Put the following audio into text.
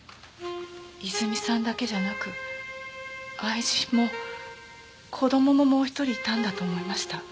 いずみさんだけじゃなく愛人も子供ももう一人いたんだと思いました。